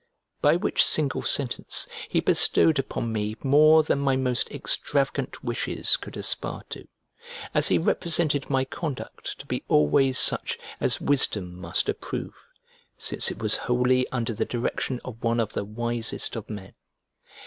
By which single sentence he bestowed upon me more than my most extravagant wishes could aspire to, as he represented my conduct to be always such as wisdom must approve, since it was wholly under the direction of one of the wisest of men.